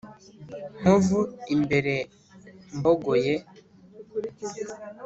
nkovu imbere, mbogoye